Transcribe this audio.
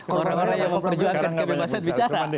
orang orang yang memperjuangkan kebebasan bicara